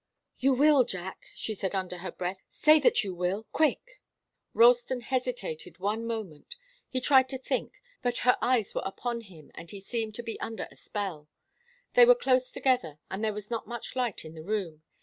"You will, Jack," she said under her breath. "Say that you will quick!" Ralston hesitated one moment. He tried to think, but her eyes were upon him and he seemed to be under a spell. They were close together, and there was not much light in the room.